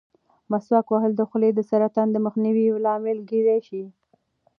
مسواک وهل د خولې د سرطان د مخنیوي یو لامل کېدای شي.